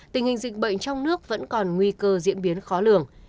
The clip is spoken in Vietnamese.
tình hình dịch bệnh trong nước vẫn còn nguy cơ diễn biến khó lường